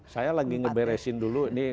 saya lagi ngeberesin dulu nih